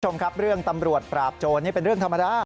คุณผู้ชมครับเรื่องตำรวจปราบโจรนี่เป็นเรื่องธรรมดา